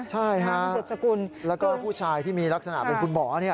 ใช่ค่ะแล้วก็ผู้ชายที่มีลักษณะเป็นคุณหมอ